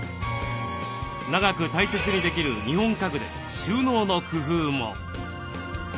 長く大切にできる日本家具で収納の工夫も。